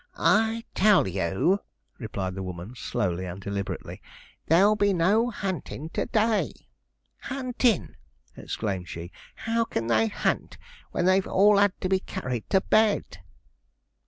'I tell you,' replied the woman slowly and deliberately, 'there'll be no huntin' to day. Huntin'!' exclaimed she; 'how can they hunt when they've all had to be carried to bed?'